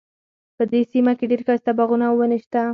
په دې سیمه کې ډیر ښایسته باغونه او ونې شته دي